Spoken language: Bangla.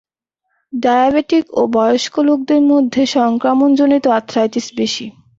ডায়াবেটিক ও বয়স্ক লোকদের মধ্যে সংক্রমণজাত আর্থ্রাইটিস বেশী।